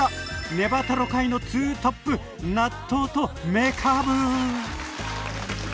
ネバトロ界の２トップ納豆とめかぶ。